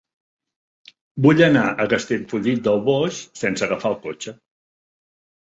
Vull anar a Castellfollit del Boix sense agafar el cotxe.